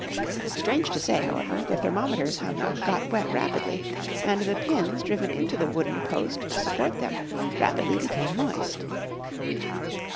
Strange to say, however, the thermometers hung up got wet rapidly, and the pins driven into the wooden post to support them rapidly became moist.